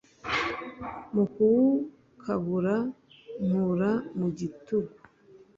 Mu kuwukabura nkura mu gitugu